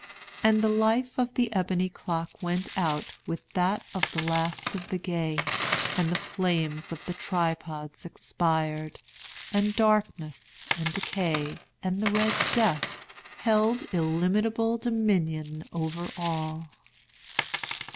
And the life of the ebony clock went out with that of the last of the gay. And the flames of the tripods expired. And Darkness and Decay and the Red Death held illimitable dominion over all.